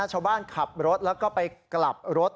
ชาวบ้านขับรถแล้วก็ไปกลับรถ